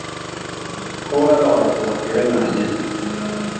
Kowra logra fogʼba kwihiri n hayin.